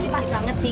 pas banget sih